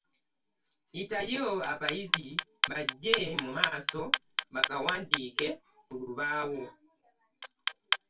Yitayo abayizi bajje mu maaso bagawandiike ku lubaawo.